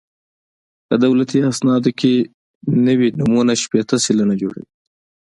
په دولتي اسنادو کې نوي نومونه شپېته سلنه جوړوي